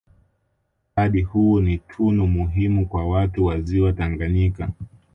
Mradi huu ni tunu muhimu kwa watu wa Ziwa Tanganyika